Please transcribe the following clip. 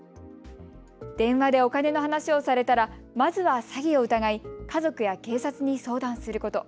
電話でお金の話をされたらまずは詐欺を疑い家族や警察に相談すること。